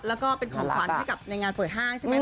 แล้วก็เป็นของขวัญให้กับในงานเปิดห้างใช่ไหม